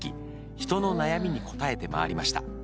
人の悩みに答えて回りました。